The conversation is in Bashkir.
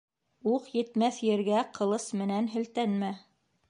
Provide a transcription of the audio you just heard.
Уҡ етмәҫ ергә ҡылыс менән һелтәнмә.